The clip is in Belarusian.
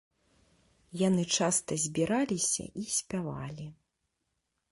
Яны часта збіраліся і спявалі.